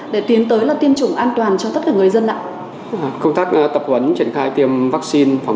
để tiến tới là tiêm chủng an toàn cho tất cả người dân ạ công tác tập huấn triển khai tiêm vắc xin